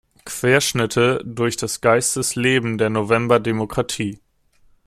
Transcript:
Querschnitte durch das „Geistes“-leben der November-Demokratie".